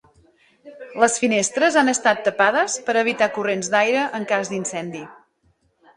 Les finestres han estat tapades per a evitar corrents d'aire en cas d'incendi.